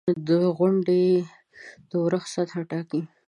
• غونډۍ د اورښت سطحه ټاکي.